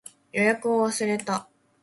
予約を忘れた